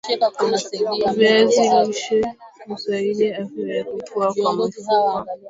viazi lishe husaidia afya ya kukua kwa mifupa